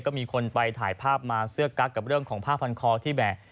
ก็มีคนไปถ่ายภาพมาเสื้อกั๊กกับเรื่องของผ้าพันคอที่แหม่